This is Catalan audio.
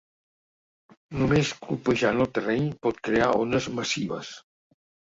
Només colpejant el terreny, pot crear ones massives.